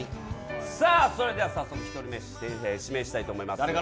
それでは、早速１人目を指名したいと思います。